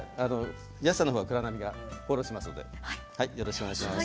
安さんのほうは蔵並がフォローしますのでよろしくお願いします。